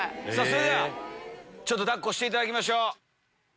それでは抱っこしていただきましょう。